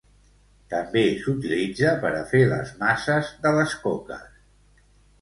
També s'utilitza per a fer les masses de les coques.